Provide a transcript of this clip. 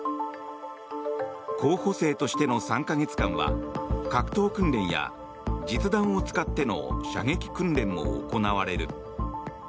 候補生としての３か月間は格闘訓練や実弾を使っての射撃訓練も行われる。